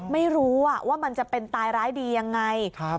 ไม่รู้ว่ามันจะเป็นตายร้ายดียังไง